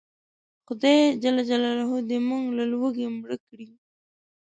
خدای ج دې موږ له لوږې مړه کړي